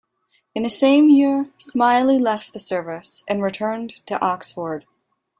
In the same year, Smiley left the Service and returned to Oxford.